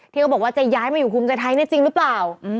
ที่เขาบอกว่าจะย้ายมาอยู่ภูมิใจไทยเนี่ยจริงหรือเปล่า